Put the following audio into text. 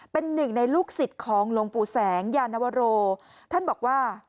เป็นหนึ่งในลูกศิษย์ของหลวงปู่แสงยานวโรท่านบอกว่า